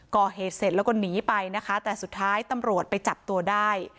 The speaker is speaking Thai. ก่อเหตุเสร็จแล้วก็หนีไปนะคะแต่สุดท้ายตำรวจไปจับตัวได้